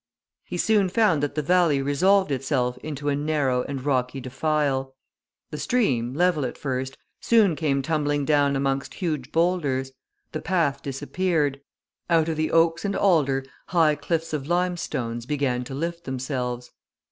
He soon found that the valley resolved itself into a narrow and rocky defile. The stream, level at first, soon came tumbling down amongst huge boulders; the path disappeared; out of the oaks and alder high cliffs of limestones began to lift themselves.